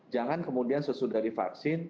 jangan kemudian sesudah divaksin